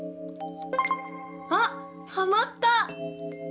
あっはまった！